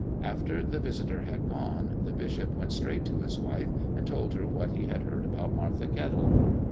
After the visitor had gone, the bishop went straight to his wife and told her what he had heard about Martha Kettle.